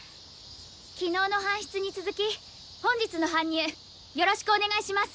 昨日の搬出に続き本日の搬入よろしくお願いします！